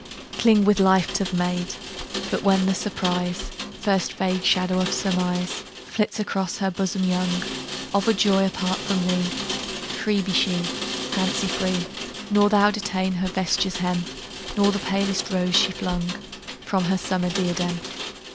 Cling with life to the maid; But when the surprise, First vague shadow of surmise Flits across her bosom young, Of a joy apart from thee, Free be she, fancy free; Nor thou detain her vesture's hem, Nor the palest rose she flung From her summer diadem.